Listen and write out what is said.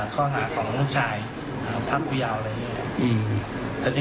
ต้องฆ่าของลูกชายพรรควิยาวอะไรอย่างนี้